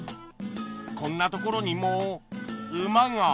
こんなところにも馬が